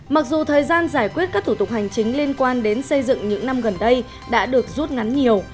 mặc dù thời gian giải quyết các thủ tục hành chính liên quan đến xây dựng những năm gần đây đã được rút ngắn nhiều